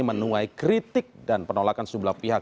menuai kritik dan penolakan sejumlah pihak